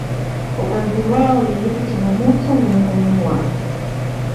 Ugomvi wao ulileta changamoto miongoni mwao